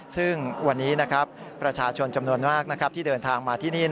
ซึ่งวันนี้ประชาชนจำนวนมากที่เดินทางมาที่นี่